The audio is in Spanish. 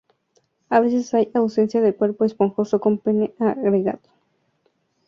A veces hay ausencia de cuerpo esponjoso con pene agrandado.